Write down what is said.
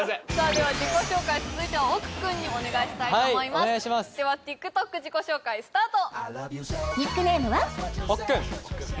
では自己紹介続いては奥君にお願いしたいと思いますではＴｉｋＴｏｋ自己紹介スタート！